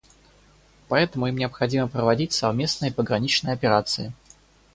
Поэтому им необходимо проводить совместные пограничные операции.